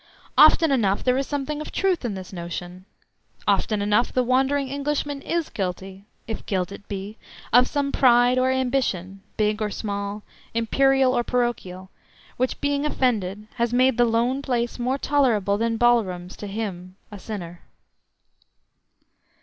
Often enough there is something of truth in this notion; often enough the wandering Englishman is guilty (if guilt it be) of some pride or ambition, big or small, imperial or parochial, which being offended has made the lone place more tolerable than ballrooms to him, a sinner.